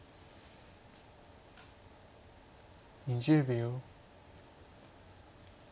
２０秒。